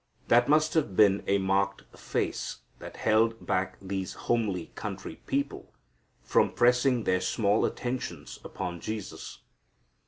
That must have been a marked face that held back these homely country people from pressing their small attentions upon Jesus.